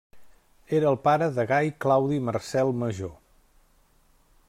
Era el pare de Gai Claudi Marcel Major.